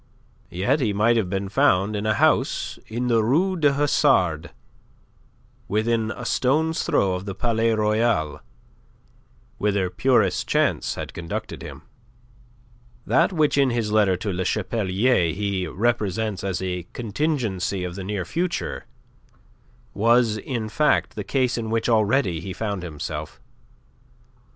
Yet he might have been found in a house in the Rue du Hasard within a stone's throw of the Palais Royal, whither purest chance had conducted him. That which in his letter to Le Chapelier he represents as a contingency of the near future was, in fact, the case in which already he found himself.